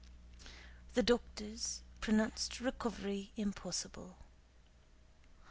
The doctors pronounced recovery impossible.